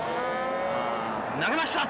投げました！